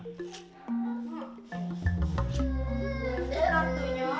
ketika orang rimba sudah berubah